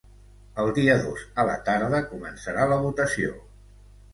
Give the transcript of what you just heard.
El dia dos a la tarda començarà la votació.